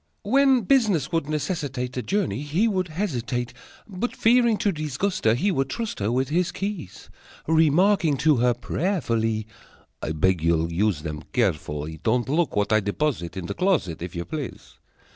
When business would necessitate A journey, he would hesitate, But, fearing to disgust her, He would trust her With his keys, Remarking to her prayerfully: "I beg you'll use them carefully. Don't look what I deposit In that closet, If you please."